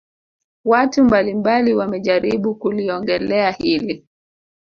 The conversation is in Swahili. Watu mbali mbali wamejaribu kuliongelea hili